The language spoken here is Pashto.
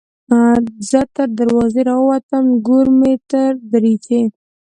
ـ زه تر دروازې راوتم نګور مې تر دريچې